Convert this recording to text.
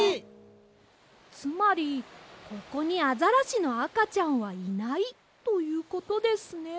つまりここにアザラシのあかちゃんはいないということですね。